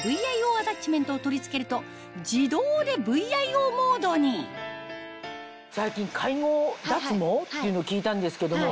アタッチメントを取り付けると自動でＶＩＯモードに最近介護脱毛っていうのを聞いたんですけども。